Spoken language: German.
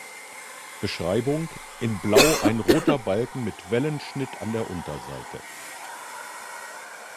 Beschreibung: In Blau ein roter Balken mit Wellenschnitt an der Unterseite.